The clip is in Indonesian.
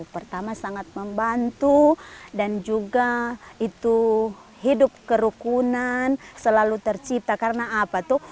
pertama sangat membantu dan juga itu hidup kerukunan selalu tercipta karena apa tuh